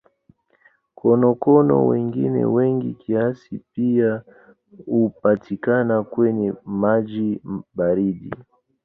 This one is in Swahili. Konokono wengine wengi kiasi pia hupatikana kwenye maji baridi.